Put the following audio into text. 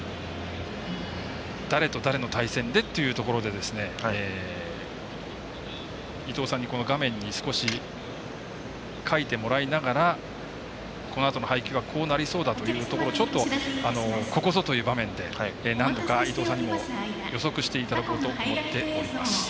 誰と誰の対戦でっていうところで伊東さんに画面に少し書いてもらいながらこのあとの配球はこうなりそうだというところをちょっとここぞという場面で予測していただこうと思っています。